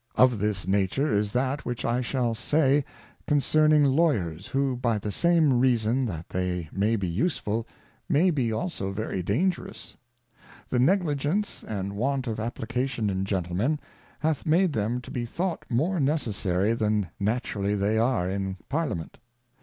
Of this nature is that which I shall say concerning Lawyers, who, by the same Reason that they may be useful, may be also very dangerous. The Negligence, and want of Application in Gentlemen, hath made them to be thought more necessary than naturally they are in Parliament.